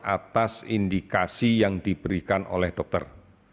atas indikasi yang diberikan oleh dokter